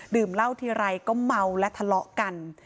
เหล้าทีไรก็เมาและทะเลาะกัน